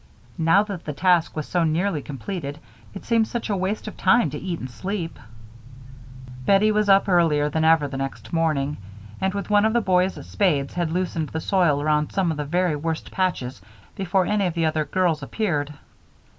Now that the task was so nearly completed it seemed such a waste of time to eat and sleep. Bettie was up earlier than ever the next morning, and with one of the boys' spades had loosened the soil around some of the very worst patches before any of the other girls appeared.